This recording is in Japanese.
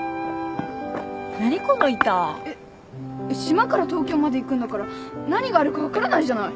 何この板？えっ島から東京まで行くんだから何があるか分からないじゃない！